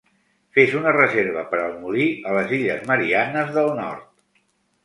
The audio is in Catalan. Fes una reserva per al molí a les Illes Mariannes del Nord.